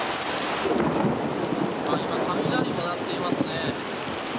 今、雷も鳴っていますね。